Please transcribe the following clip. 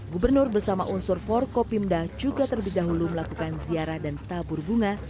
gubernur bersama unsur forkopimda juga terlebih dahulu melakukan ziarah dan tabur bunga